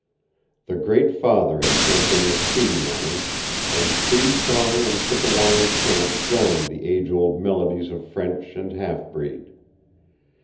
The Great Father had sent in his treaty money, and Cree song and Chipewyan chant joined the age old melodies of French and half breed.